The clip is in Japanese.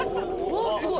おすごい。